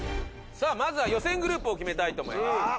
さあまずは予選グループを決めたいと思います。